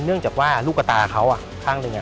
เนื่องจากว่าลูกกระตาเขาข้างหนึ่ง